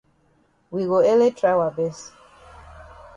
We go ele try wa best.